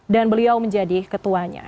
dan beliau menjadi ketuanya